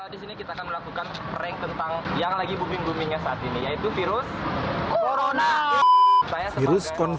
di sini kita akan melakukan prank tentang yang lagi booming boomingnya saat ini yaitu virus corona